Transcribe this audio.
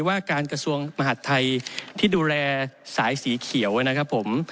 ว่าการกระทรวงมหาดไทยที่ดูแลสายสีเขียวนะครับผม